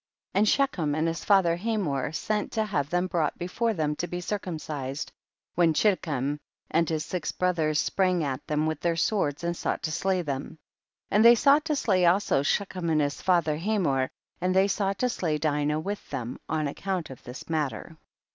4. And Shechem and his father Hamor sent to have them brought be fore them to be circumcised, when Chiddekem and his six brothers sprang at them with their swords, and sought to slay them. 5. And they sought to slay also Shechem and his father Hamor, and they sought to slay Dinah with them, on account of this matter.